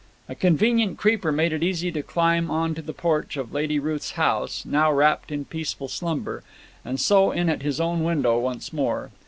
A convenient creeper made it easy to climb on to the porch of Lady Ruth's house, now wrapped in peaceful slumber; and so in at his own window once more.